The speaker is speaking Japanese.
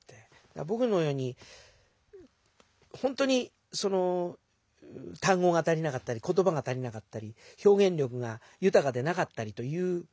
ぼくのようにほんとにたん語が足りなかったり言葉が足りなかったり表現力がゆたかでなかったりという。